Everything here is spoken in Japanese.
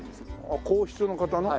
あっ皇室の方の？